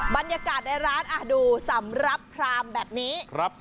บรรยากาศในร้านดูสำหรับพรามแบบนี้ครับ